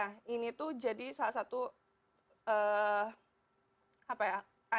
nah ini tuh jadi salah satu apa ya